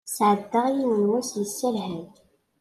Sɛaddaɣ yiwen wass yesserhab.